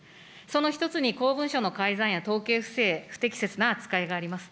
その一つに、公文書の改ざんや統計不正、不適切な扱いがあります。